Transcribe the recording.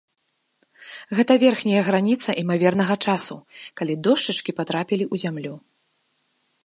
Гэта верхняя граніца імавернага часу, калі дошчачкі патрапілі ў зямлю.